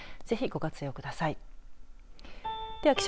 ぜひご活用ください。